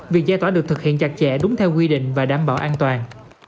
việc giải tỏa được thực hiện chặt chẽ đúng theo quy định và đảm bảo an toàn